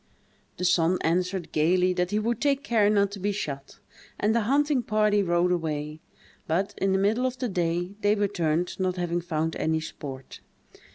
The son answered, gayly, that he would take care not to be shot, and the hunting party rode away; but, in the middle of the day, they returned, not having found any sport.